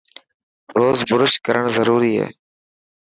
روز برش ڪرن ضروري هي.